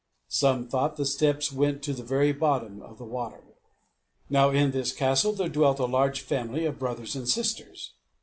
Some thought the steps went to the very bottom of the water. Now in this castle there dwelt a large family of brothers and sisters.